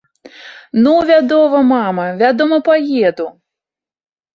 Ну вядома, мама, вядома, паеду.